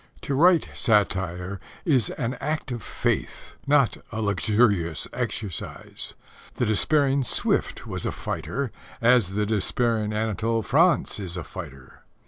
To write satire is an act of faith, not a luxurious exercise. The despairing Swift was a fighter, as the despairing Anatole France is a fighter.